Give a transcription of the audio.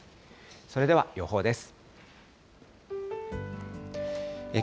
それでは予報です。